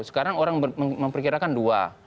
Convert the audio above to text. sekarang orang memperkirakan dua